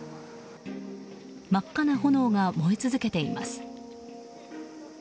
真っ赤な炎が燃え続けています。